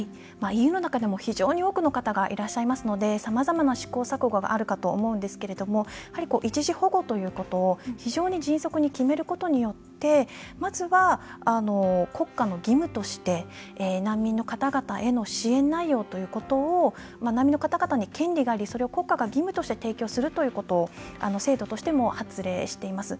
ＥＵの中でも非常に多くの方がいらっしゃいますのでさまざまな試行錯誤があるかと思うんですけれどもやはり、一時保護ということを非常に迅速に決めることによってまずは国家の義務として難民の方々への支援内容ということを難民の方々に権利がありそれを国家が義務として提供するということを制度としても発令しています。